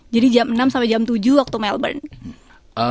jadi jam enam sampai jam tujuh waktu melbourne